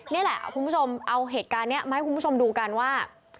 นี่แหละคุณผู้ชมเอาเหตุการณ์นี้มาให้คุณผู้ชมดูกันว่า